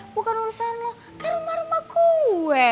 bukan urusan lo rumah rumah gue